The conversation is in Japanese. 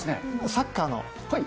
サッカーの。